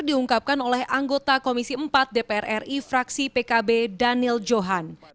diungkapkan oleh anggota komisi empat dpr ri fraksi pkb daniel johan